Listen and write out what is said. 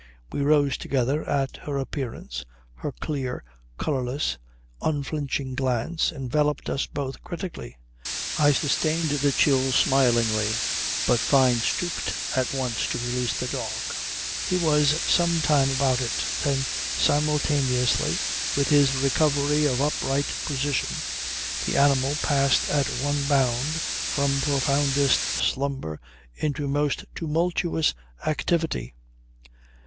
We rose together at her appearance. Her clear, colourless, unflinching glance enveloped us both critically. I sustained the chill smilingly, but Fyne stooped at once to release the dog. He was some time about it; then simultaneously with his recovery of upright position the animal passed at one bound from profoundest slumber into most tumultuous activity.